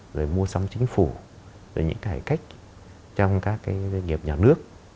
rồi mua xong chính phủ rồi những hải cách trong các doanh nghiệp nhà nước